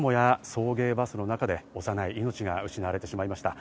送迎バスの中で幼い命が失われてしまいました。